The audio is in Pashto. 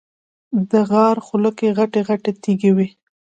د غار خوله کې غټې غټې تیږې دي.